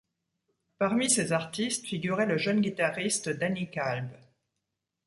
Parmi ces artistes figurait le jeune guitariste Danny Kalb.